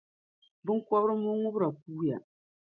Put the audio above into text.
Biŋkɔbiri mɔŋubira kuuya.